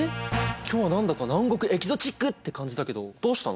今日は何だか南国エキゾチックって感じだけどどうしたの？